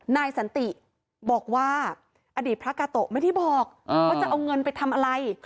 นายสันติบอกว่าอดีตพระกาโตะไม่ได้บอกว่าจะเอาเงินไปทำอะไร